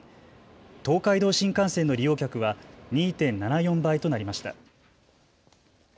東海道新幹線の利用客は２．７４倍となりました。